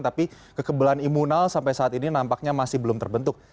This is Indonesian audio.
tapi kekebalan imunal sampai saat ini nampaknya masih belum terbentuk